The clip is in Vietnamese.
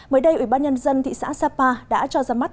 mới đây ủy ban nhân dân thị xã sapa đã cho ra mắt